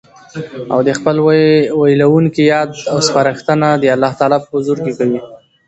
او د خپل ويلوونکي ياد او سپارښتنه د الله تعالی په حضور کي کوي